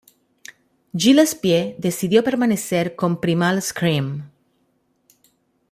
Gillespie decidió permanecer con Primal Scream.